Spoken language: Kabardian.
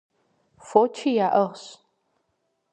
Фочи яӀыгъщ.